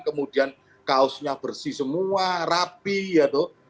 kemudian kaosnya bersih semua rapi ya toh